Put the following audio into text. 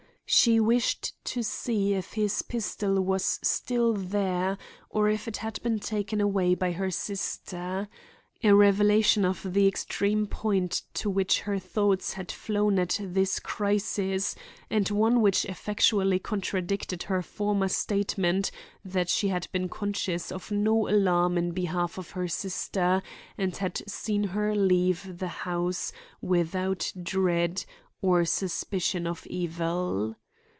She wished to see if his pistol was still there, or if it had been taken away by her sister,—a revelation of the extreme point to which her thoughts had flown at this crisis, and one which effectually contradicted her former statement that she had been conscious of no alarm in behalf of her sister and had seen her leave the house without dread or suspicion of evil.